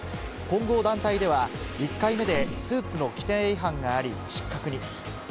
混合団体では１回目でスーツの規定違反があり失格に。